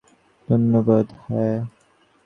ধন্যবাদ, হ্যাঁ।